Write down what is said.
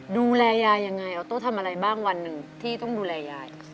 ดูแลยายยังไงออโต้ทำอะไรบ้างวันหนึ่งที่ต้องดูแลยาย